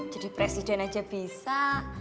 jadi presiden aja bisa